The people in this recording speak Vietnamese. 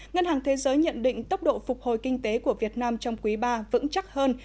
ngân hàng thế giới nhận định tốc độ phục hồi kinh tế của việt nam trong quý iii vững chắc hơn